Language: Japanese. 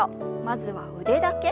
まずは腕だけ。